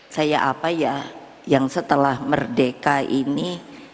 saya apa ya yang setelah merdeka ini